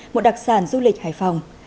một đặc sản du lịch hải phòng